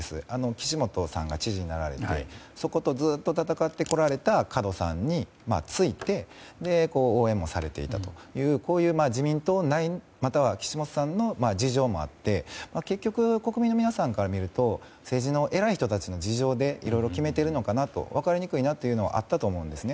岸本さんが知事になられてそことずっと戦ってこられた門さんについて応援もされていたという自民党内または岸本さんの事情もあって結局、国民の皆さんから見ると政治家の皆さんの事情でいろいろ決めているのかなと分かりにくいなというのがあったと思うんですね。